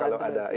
buat jalan terus